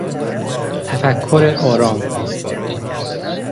تفکر آرام